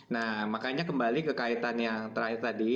nah makanya kembali ke kaitan yang terakhir tadi